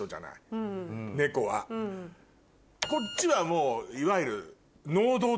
こっちはいわゆる。